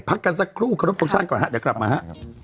พักกันสักครู่ขอรบทรงชาติก่อนฮะเดี๋ยวกลับมาฮะ